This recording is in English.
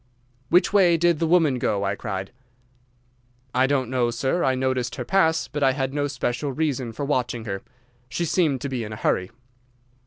"'Which way did the woman go?' I cried. "'I don't know, sir. I noticed her pass, but I had no special reason for watching her. She seemed to be in a hurry.